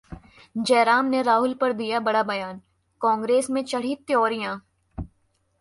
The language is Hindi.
जयराम ने राहुल पर दिया बड़ा बयान, कांग्रेस में चढ़ीं त्यौरियां